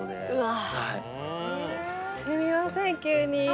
すみません急に。